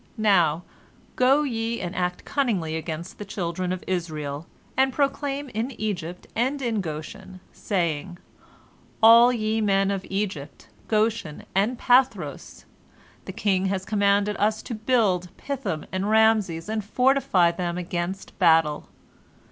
Now, go ye and act cunningly against the children of Israel, and proclaim in Egypt and in Goshen, saying: 'All ye men of Egypt, Goshen, and Pathros! The king has commanded us to build Pithom and Raamses and fortify them against battle.